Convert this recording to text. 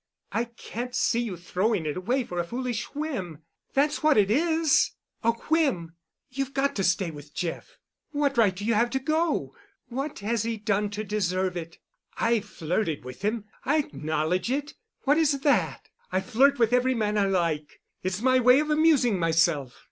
I can't see you throwing it away for a foolish whim. That's what it is—a whim. You've got to stay with Jeff. What right have you to go? What has he done to deserve it? I flirted with him. I acknowledge it. What is that? I flirt with every man I like. It's my way of amusing myself."